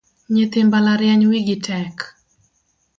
Nyithi mbalariany wigi tek